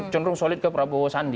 cenderung solid ke prabowo sandi